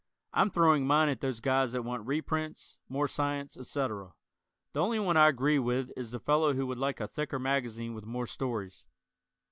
I'm throwing mine at those guys that want reprints, more science, etc. The only one I agree with is the fellow who would like a thicker magazine with more stories.